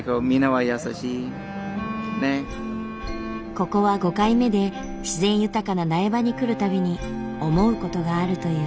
ここは５回目で自然豊かな苗場に来るたびに思うことがあるという。